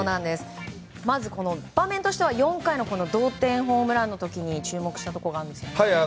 まず場面としては４回の同点ホームランの時に注目した場面があるんですよね。